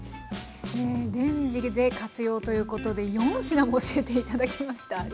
レンジで活用ということで４品も教えて頂きました。